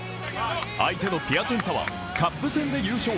相手のピアチェンツァはカップ戦で優勝。